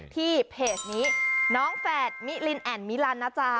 ที่เพจนี้น้องแฝดมิลินแอ่นมิลันนะจ๊ะ